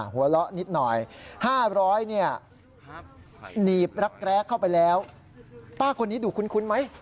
หัวเราะนิดหน่อย๕๐๐เนี่ยหนีบรักแร้เข้าไปแล้วป้าคนนี้ดูคุ้นไหม